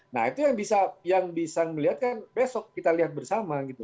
nah itu yang bisa melihat kan besok kita lihat bersama gitu